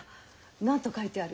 何と書いてある？